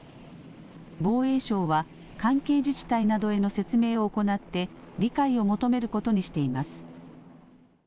防衛省は関係自治体などへの説明を行って理解を求めることにしています。